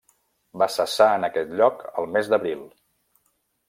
Va cessar en aquest lloc el mes d'abril.